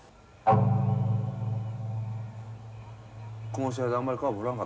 この試合であんまりカーブ放らんかったんですよね。